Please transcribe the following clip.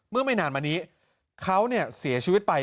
เมื่อไม่นานมานี้เขาเนี่ยเสียชีวิตไป